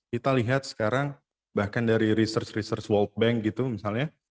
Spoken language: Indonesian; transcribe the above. kita lihat sekarang bahkan dari research research world bank gitu misalnya